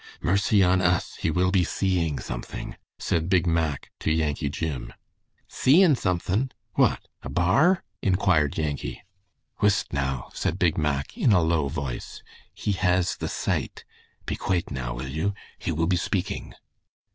"Mercy on us! He will be seeing something," said Big Mack to Yankee Jim. "Seein' somethin'? What? A bar?" inquired Yankee. "Whist now!" said Big Mack, in a low voice. "He has the sight. Be quate now, will you? He will be speaking."